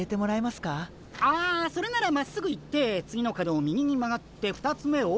ああそれならまっすぐ行って次の角を右に曲がって２つ目を。